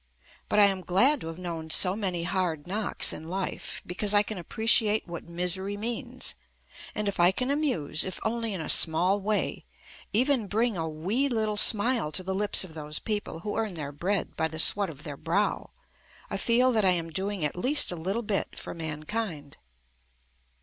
But I am glad to have known so many hard knocks in life because I can appreciate what misery means, and if I can amuse if only in a small way, even bring a wee little smile to the lips of those people who earn their bread by the sweat of their brow, I feel that I am doing at least a little bit for mankind.